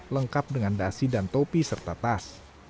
lengkap dengan dasi dan topi serta tas